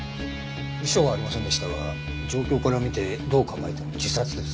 遺書はありませんでしたが状況から見てどう考えても自殺です。